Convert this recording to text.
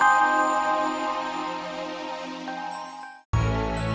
dada naik mas